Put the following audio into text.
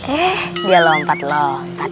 eh dia lompat lompat